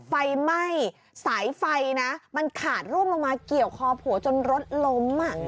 ไฟไหม้สายไฟนะมันขาดร่วงลงมาเกี่ยวคอผัวจนรถล้ม